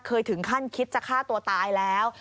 ถึงขั้นคิดจะฆ่าตัวตายแล้ว